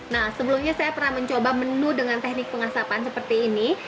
nah sebelumnya saya pernah mencoba menu dengan teknik pengasapan seperti ini